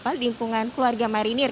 dan juga dengan keluarga marinir